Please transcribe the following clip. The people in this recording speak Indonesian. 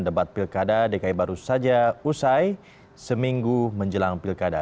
debat pilkada dki baru saja usai seminggu menjelang pilkada